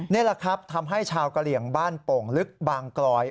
นี่แหละครับทำให้ชาวกะเหลี่ยงบ้านโป่งลึกบางกลอย